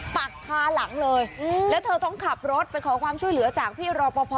ปักคาหลังเลยแล้วเธอต้องขับรถไปขอความช่วยเหลือจากพี่รอปภ